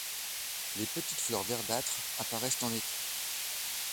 Les petites fleurs verdâtres apparaissent en été.